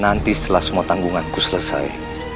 nanti setelah semua tanggunganku selesai